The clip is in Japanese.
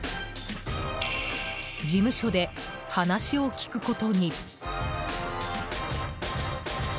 事務所で話を聞くことに。